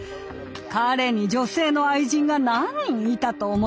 彼に女性の愛人が何人いたと思っているの。